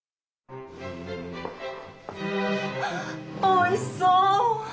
おいしそう！